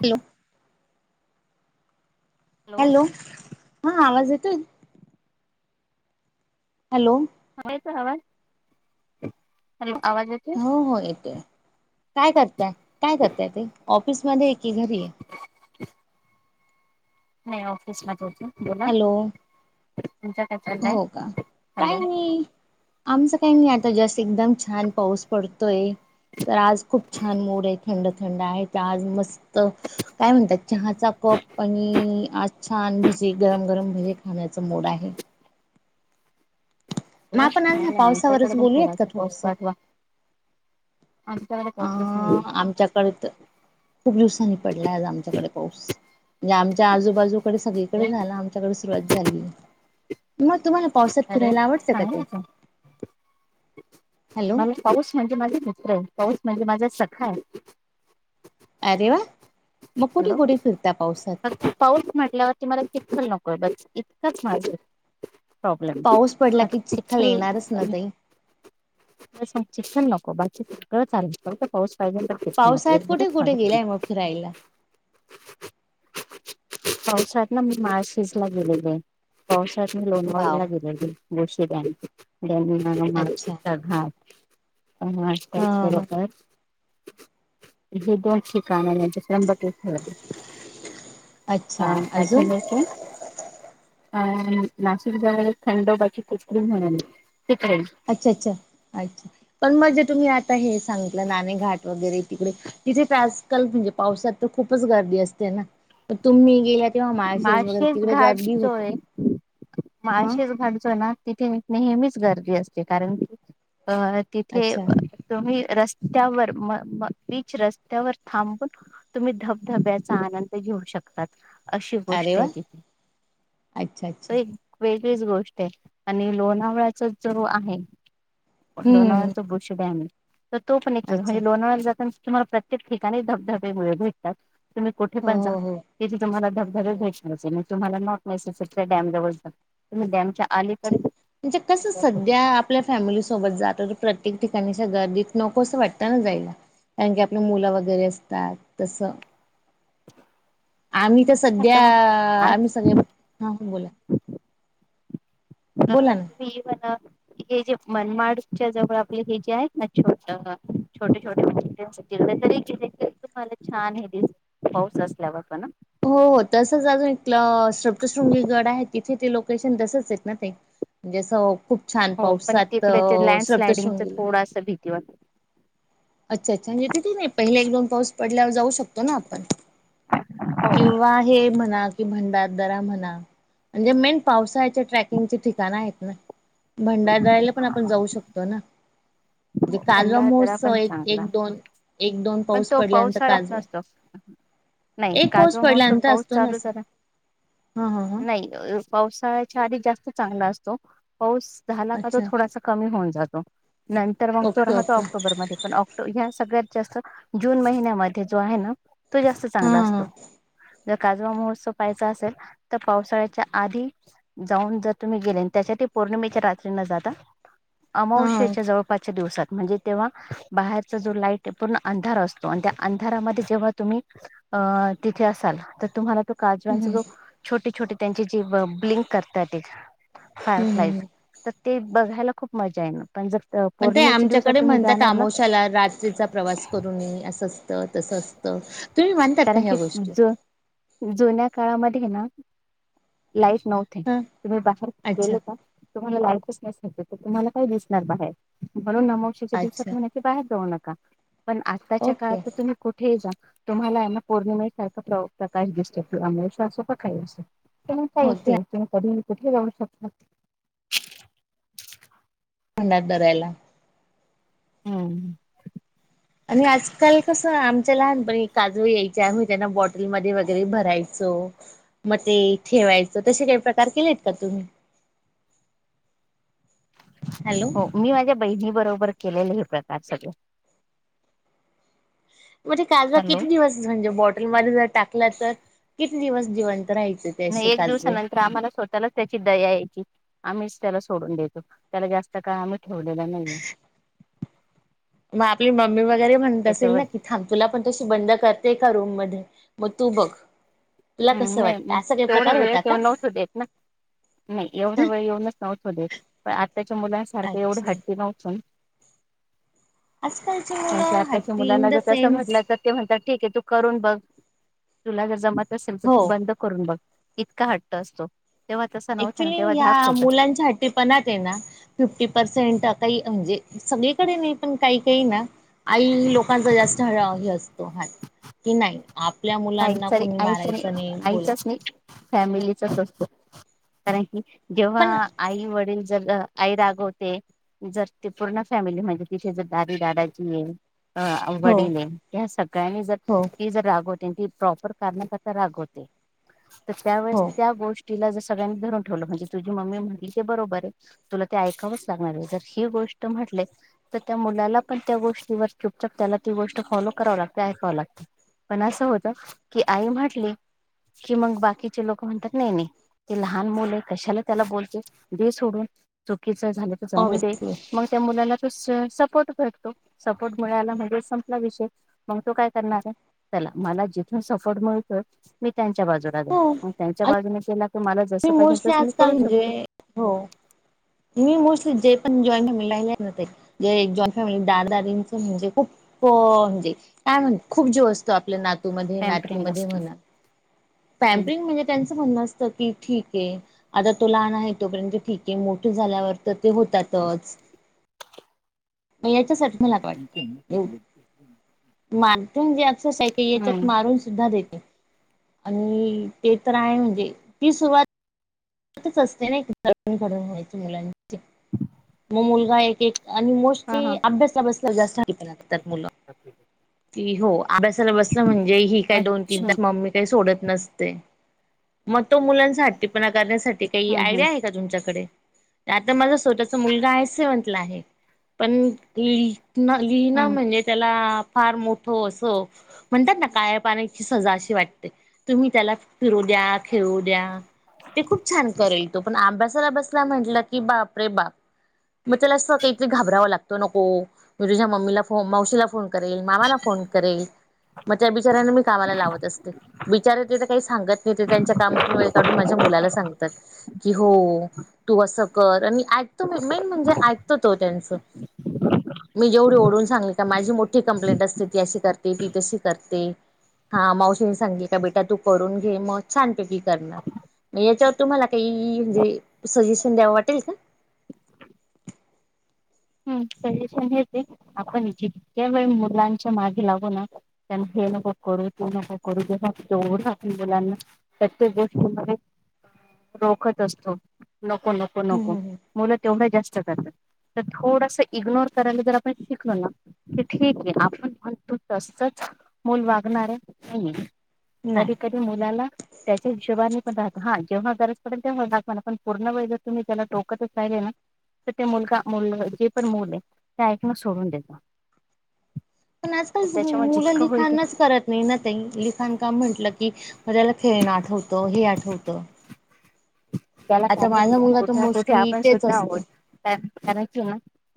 Hello hello,, हां आवाज येतोय,,, हॅलो,,, आता येतोय आवाज,, हॅलो,, आवाज येतोय हो हो येतोय,, काय करताय, काय करताय ताई, ऑफिसमध्ये य की,, घरी य,,, [inaudible] नाही ऑफिस मध्ये य,,, हॅलो,,,, चाललाय हो का,,,, हॅलो काय नै आमचं,, काही नाही आता जस्ट एकदम छान पाऊस पडतोय,, तर आज खूप छान मूड य, थंड थंड आहे, आज मस्त काय म्हणतात चहाचा कप,, कप आणि आज छान भजे गरम, गरम भजे खाण्याचा मुड आहे,,, मग बर,, आपण आज काय ह्या नाय आमच्याकडे पावसावरच पण बोलूयात का थोडासा पाऊस थोडस पाठवा,, अ आमच्याकडे तर [unintelligible] खूप दिवसांनी पडलाय आज आमच्याकडे पाऊस,,, म्हणजे आमच्या आजूबाजूकडे सगळीकडे झाला आमच्याकडे सुरुवात झाली [inaudible] मग तुम्हाला पावसात अरे फिरायला आवडतं का तेई [inaudible] म पाऊस म्हणजे माझ मित्र आहे [inaudible] पाऊस म्हणजे माझ्या सखा आहे [inaudible] अरे वा- [inaudible] हॅलो कुठे फिरता पावसात? पाऊस म्हटल्यावरती मला चि्खुल नको [inaudible] ब बच इतकंच माझं [inaudible] प्रोॉब्लेम पाऊस पडला की चिखल येणारच ना ताई. [unintelligible] शिक्षण नको बाकी फुटकळ चालते पण पाच पावसाळ्यात कुठे कुठे गेलाय [inaudible] मग फिरायला? [unintelligible] पावसात ना मी मार्शिस ला गेलेले पावसात मी लोणवळला वाव गेलेले आहे [inaudible] गोशी डॅम [unintelligible] माणची अच्छा घाट [inaudible] हाच हा हा बरोबर हे दोन [unintelligible] फ [inaudible] ब खेळ [inaudible] अ अच्छा अजून? अजलओक [inaudible] अ नाशिक जवळील खंडोबाची [unintelligible] मिळाली अच्छा -अच्छा -अच्छा पण मग जे तुम्ही आता हेच- सांगितलं नाणे घाट वगैरे तिकडे तिथे तर आजकाल म्हणजे पावसात तर खूपच गर्दी असते ना- तुम्हि गेला [inaudible] माळशेच घाट जोय हा माळशेच घाट जोय ना तिथे मी- नेहमीच गर्दी असते कारण की अ तिथे अच्छा तुम्ही- रस्त्यावर म-म बीच रस्त्यावर थांबून तुम्ही धबधब्याचा आनंद घ [inaudible] शकतात अशी अरे गोष्ट वा आहे तथे अच्छा अच्छा एक वे [inaudible] हिच गोष्ट आहे आणि लोणावळ्याचच जर आहे [inaudible] लोणाळ्या हम्म तो बुशम्ही डॅम तर तो पण एक अच्छा म्हणजे लोणावळ्या जात [inaudible] तुम्हाला प्रत्येक ठिकाणी धबधबेमुळे भेटतात तुम्ही कुठे हो पण जा हो हो [inaudible] तुम्हाला हो धबधबे हो भेटतात तव त [unintelligible] अच्छा म्हणजे कस सध्या आपल्या फॅमिली सोबत जात- प्रत्येक ठिकाणी गर्दीत नकोसं वाटतं ना जायला [inaudible] कारण की आपल्या मुलं वगैरे असतात तसं- आम्ही तर सध्या मग आम्ही आज सगळे हा बोला- अ बोला ना तुम्ही म्हणा [inaudible] हे जे मनमाडच्या जवळ आपले हे जे आहेत ना छोट, - छोटे -छोटे [unintelligible] तरी गे तुम्हाला छान हे दिस पाऊस असल्यावर पण ना [inaudible] हो हो तसच अजून एक शप्तशृंगी गड आहे तिथे ते लोकेशन तसच आहेत ना ते [inaudible] म्हणजे असं खूप छान हो पण पावसात अ तिकडे ते लँडस्लायडिंगच -शृप्तशृंगीला [inaudible] थोडासा भीती वाटते अच्छा अच्छा म्हणजे तिथे नाही पहिले एक दोन पाऊस पडल्यावर जाऊ शकतो ना आपण [inaudible] भंड दरा म्हणा म्हणजे मेन पावसाच्या ट्रॅकिंगचे ठिकाण आहेत ना [inaudible] भंडारराला पण आपण जाऊ शकतो ना [inaudible] म्हणजे हो कालवा भंडारदरा महोत्सव पण एक एक चांगला दोन एक दोन [inaudible] पण पाऊस तो पडल्यानंतर पावसाळ्यात काजवा नसतो नाही [inaudible] एक पाऊस काजवा मस्त पडल्यानंतर पाऊस असतो चालूच असं. आहे ना हा हा हा नाही पावसाळ्यात [inaudible] चांग असतो पाऊस झाला तो अच्छा थोडसा कमी होऊन जातो मग तो ओके राहतो ओके ऑक्टोबर मधे पण, ऑक्टो ह्या सगळ्यांत जास्त जून महिन्यामध्ये जो आहे ना तो जास्त हा चांगला हा. असतो. जर काजवा महोत्सव पहायचा असेल तर, पावसाळ्याच्या आधी जाऊन जर तुम्ही गेले त्याच्यात पौर्णिमेच्या रात्री न जाता हा अमावशेच्या जवळपासच्या दिवसांत म्हणजे तेव्हा बाहेरचा जो लाईट पूर्ण अंधार असतो आणि त्या अंधारामध्ये जेव्हा तुम्हीं अ तिथे असाल तर तुम्हाला त काजवांचा जो छोटे छोटे त्यांचे जे ब्लिंक करता ते फायरफ्लाईज हम्म तर ते बघायला खूप मजा येणार पण जर पण ते पौर्णिमेच्या दिवसात आमच्याकडे तुम्ही म्हणतात जाणार ना आमोशाला रात्रीचा प्रवास करून नाई असं असतं, तसं असतं तुम्ही मानतात का कारण ह्या की गोष्टी जु जुन्या काळामध्ये ना लाईट नव्हते, हा तुम्ही बाहेर अच्छा गेले का तुम्हांला लाईट [unintelligible] तुम्हाला काय दिसणार बाहेर म्हणून आमोशेच्या अच्छा दिवसात म्हणे ते बाहेर जाऊ नका. पण आत्ताच्या काळात ओके त तुम्ही कुठेही जा तुम्हाला मग पौर्णिमा सारखा प्र प्रकाश दिसतो त आमोशा असो का काही असो. तुम्हाला काय हो ते इश्यु आहे? तुम्ही कधीही कुठेही जाऊ शकता. [unintelligible] हम्म. आणि आजकाल कसं, आमच्या लहानपणी काजवे यायचे आम्ही त्यांना बॉटलमध्ये वगैरे भरायचो. मग ते ठेवायचं तसे काही प्रकार केलेत का तुम्ही? [inaudible] हॅलो हो मी माझ्या बहिणी बरोबर केलेले हे प्रकार सगळे. म्हणजे काजवा हॅलो किती दिवस? म्हणजे बॉटलमध्ये जर टाकला तर किती दिवस जिवंत राहायचे ते नाही असे एक काजवे दिवसानंतर आम्हाला स्वतःलाच त्याची दया यायची. आम्हीच त्याला सोडून देतो, त्याला जास्त काळ आम्ही ठेवलेला नाहीे. म आपली मम्मी वगैरे म्हणत असेल त्याच्यावर ना, की थांब तुला पण तशी बंद करते एका रूम मध्ये. मगं तू बघ. तुला हम्म कसं नाही वाटतं मग असा काही तेवढा प्रकार वेळ होता का तेव नव्हत देत ना. नाही एवढा वेळ येऊनच नव्हतं देत पण आत्ताच्या मुलांसारखं एवढी अच्छा हट्टी नव्हतो न आजकालची मुलं आताच्या हट्टी इन मुलांना द जर तसं सेन्स म्हटलं तर ते म्हणतात ठीक आहे तू करून बघ तुला जर जमत नसेल तर, हो तू बंद करून बघ. इतका हट्ट असतो. तेव्हा तसा नव्हता ना ॲक्च्युली तेव्हा धाक ह्या होता मुलांच्या हट्टीपणात आहे ना फिफ्टी पर्सेंट काही म्हणजे सगळीकडे नाही पण काही ते ना आई लोकांचा जास्त हळ हे असतो हाट की नाही. आपल्या मुलांना आईचा [unintelligible] कोणी मारायचं नाही आईचाच बोलायचं नाही फॅमिली चाच असतो कारण की पण जेव्हा आई वडील जर आई रागवते जर ती पूर्ण फॅमिली म्हणजे तिची जर, दादी दादाजी आहे. अ हो वडील य ह्या सगळ्यांनी जर हो ती जर रागव ते ती प्रॉपर कारणा करता रागवते तर, त्यावेळेस हो त्या गोष्टी तिला ज सगळ्यांनी धरून ठेवलं म्हंजे तुझी मम्मी म्हटली ते बरोबरय, तुला ते ऐकावंच लागणारं आहे जर ही गोष्ट स्पष्ट म्हटले त त्या मुलाला पण त्या गोष्टींवर चुपचप त्याला, ती गोष्ट फॉलो कराव लागते ऐकाव लागते. पण असं होत की आई म्हटली की, मग बाकीचे लोक म्हणतात नाही नाही ते लहान मुलय कशाला त्याला बोलते? दे सोडून तो [unintelligible] झालं तर जाऊन दे ऑब्विसली मग त्या मुलाला तो स सपोर्ट भटतो सपोर्ट मिळाला म्हणजे संपला विषय मगं, तो काय करणार आहे चला माला जिथून सपोर्ट मिळतो, मी त्यांच्या बाजूला हो जाईल त्यांच्या बाजूने केला तुम्हाला मी जसं पाहिजे मोस्टली तसं मी आजकाल करू म्हणजे शकतो. हो मी मोस्टली जे पण जॉईंट फॅमिलीत राहिले आहेत ना, जे जॉईंट फॅमिलीत दादा दादीच म्हणजे खूप हो अ म्हणजे काय म्हण खूप जीव असतो, आपल्या नातूमध्ये पॅम्परिंग नातीमध्ये असत म्हणा. हम्म पॅम्परींग म्हणजे त्यांचं म्हण असं की ठीकए आता तो लहान आहे, तोपर्यंत ठीकए, मोठे झाल्यावर तर ते होतातच. म याच्यासाठी मला काय वाटतं [inaudible] [unintelligible] याच्यात हम्म मारून सुद्धा देते. आणि ते तर आहे म्हणजे ती सुरवात [unintelligible] मुलांची म मुलगा एक एक आणि हा मोस्टली हा अभ्यासला बसल्या जास्त [unintelligible] मुलं की हो अभ्यासाला बसलं म्हणजे ही काय दोन तीन अच्छा तास मम्मी काय सोडत नसते, म तो मुलांचा हट्टीपणा काडण्यासाठी काही हम्म हम्म आयडिया आहे का तुमच्याकडे? आता माझा स्वतःचा मुलगा आहे असे म्हंटलं आहे, पण [unintelligible] न लिहिण हम्म म्हणजे त्याला फार मोठं असं म्हणतात ना, काळ्या पाण्याची सजा अशी वाटते. तुम्ही त्याला फिरू द्या खेळू द्या ते खूप छान करेल. तो पण अभ्यासाला बसला म्हंटलं की बाप रे बाप. मग त्याला असं काहीतरी घाबरावं लागतं, नको म तुझ्या मम्मीला फो मावशीला फोन करेल मामाला फोन करेल म त्या बिचाऱ्यांना मी कामाला लावत असते बिचारे ते तर काही सांगत नाही, ते त्यांच्या कामातून वेळ काढून माझ्यामु मुलाला सांगतात हो की तू असं कर आणि ऐकतो मेन म्हणजे ऐकतो तो त्यांचं. मी जेवढी ओढून सांग का माझी मोठी कंप्लेंट असते, ती अशी करते, ती तशी करते हा मावशीने सांगित का बेटा तू करून घे, मग छानपैकी करणार. म याच्यावर तुम्हाला काही म्हणजे, सजेशन द्यावं वाटेल का? [inaudible] सजेशन हेच की, आपण जितक्या वेळ मुलांच्या मागे लागू ना की हे न करू तू नको करू [unintelligible] मुलांना [unintelligible] रोखत असतो. नको नको हम्म नको. हम्म हम्म मुलं तेवढं जास्त करतात तर, थोडस इग्नोर करायला जर आपण शिकलो ना ते ठीकए, आपण म्हणतो तसच मुल वागन मॅडम नाही कधी कधी मुलाला त्यांच्या हशोबाने पण [unintelligible] जेव्हा गरज पडेल तेव्हा दाखवा पण पूर्ण वेळ जर तुम्ही त्याला टोकतच राहिले ना तर ते मुलगा, मुल जे पण मुल आहे ते ऐकणं सोडून देत. पण आजकाल सग त्याच्यामुळे मुलं जितकं होईल लिखाणच करत नाही ना, ताई लिखाण का म्हटलं की म त्याला खेळण आठवतं हे आठवतं त्याला आता माझा कारणीभूत मुलगा तर कुठे ना कुठे मोस्टली आपण तेच सुद्धा आहोत, असतं कारण कि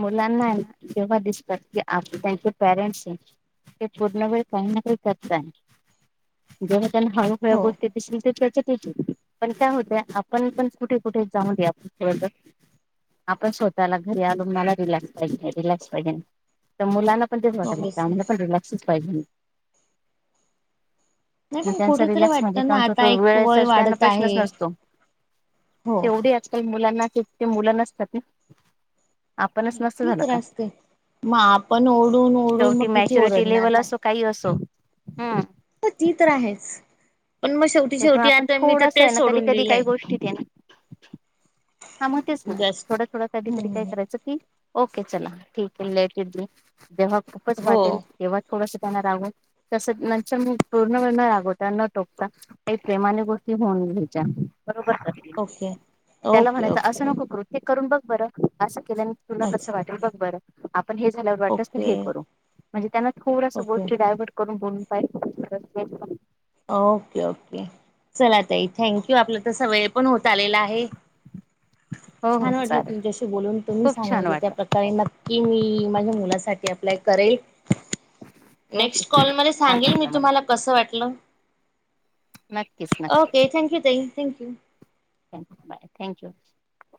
मुलांना ना जेव्हा दिसतात की आप त्यांचे पेरेंट्स ते पूर्ण वेळ [unintelligible] त्यांना हळूहळ्या हो बोलते [unintelligible] पण काय होते? आपण पण कुठे कुठे जाऊ द्यायच [unintelligible] आपण स्वतःला घरी आलो मला रिलक्स पाहिजे, रिलॅक्स पाहिजे तर मुलाला ऑब्विसली [unintelligible] पण रिलॅक्सच पाहिजे नाही पण त्यांचा कुठेतरी रिलॅक्स म्हणजे, वाटतं त्या ना आता तो एक वय वेळेचा त्यांना वाढत प्रश्नच आहे नसतो. हो तेवढी अक्कल मुलांना की ते मुलांनाच [unintelligible] आपणच नसतो ती झालं तर का? असते मग आपण ओढून ओढून मग शेवटी किती मॅच्युरिटी ओरडणार लेवल ना असो, काही असो हम्म. हो ती तर आहेच पण मग शेवटी त्यांच्यामुळे शेवटी आपण आता मी तर थोडस आहे तेच ना, कधी सोडून कधी काही दिलंय गोष्टीत ए ना हा म तेच ना जास्त थोडं थोडं कधी कधी काय हम्म करायचं? की ओके चला ठीक आहे. लेट [unintelligible] जेव्हा खूपच हो वाटेल तेव्हा थोडसं त्यांना रागून तस नतर म पुर्णवेळ न रागवता न टोकता काही प्रेमाने गोष्टी होऊन घ्यायच्या. बरोबर ओके त्याला ओके म्हणायचं ओके असं नको ओके कृत्यक करून बघ बरं असशा केल्याने तुला कसं अच्छा वाटेल बघ बरं झाल्यावर हे वाटलंच ओके तर करू म्हणजे त्यांना थोडसं ओके गोष्टी डायव्हर्ट करून [unintelligible] ओके ओके चला तई थँक यू आपलं तर वेळ पण होत आलेला आहे हो हो छान वाटलं चालेल तुमच्याशी बोलून तु मी खूप छान सांगितलं वाटलं त्याप्रकारे नक्की मी माझ्या मुलासाठी अप्लाय करेल. ओके नेक्स्ट कॉल मध्ये छान सांगेल मी वाटलं मला तुम्हाला कस वाटलं! नक्कीच ओके थँक यू ताई थँक यू - थ बाय थँक्यू -